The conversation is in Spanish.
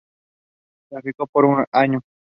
Tráfico por año